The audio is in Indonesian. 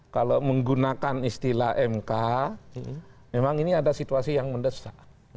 kalau menggunakan istilah mk memang ini ada situasi yang mendesak